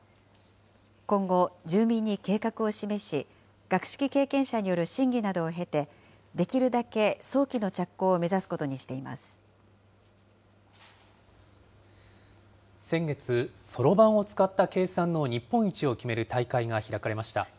今後、住民に計画を示し、学識経験者による審議などを経て、できるだけ早期の着工を目指すことに先月、そろばんを使った計算の日本一を決める大会が開かれました。